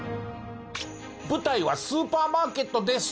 舞台はスーパーマーケットです。